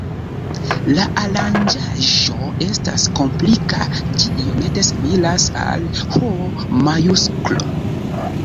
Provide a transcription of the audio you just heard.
La aranĝaĵo estas komplika, ĝi iomete similas al H-majusklo.